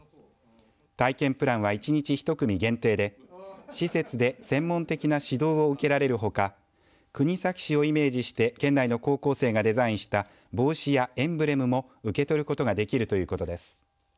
体験プランは１日１組限定で施設で専門的な指導を受けられるほか国東市をイメージして県内の高校生がデザインした帽子やエンブレムも受け取ることができるということです。